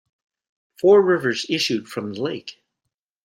Four rivers issued from the lake.